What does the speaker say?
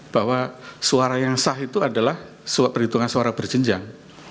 bahwa suara yang sah itu adalah perhitungan suara berjenjang